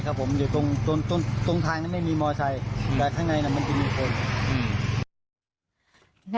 แต่ข้างในนั้นมันจะมีคน